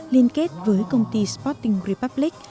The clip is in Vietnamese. liên kết với công ty sporting republic